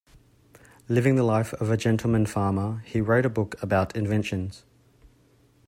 Living the life of a gentleman farmer, he wrote a book about inventions.